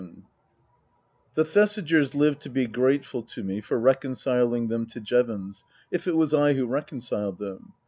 VII THE Thesigers lived to be grateful to me for recon ciling them to Jevons, if it was I who reconciled them.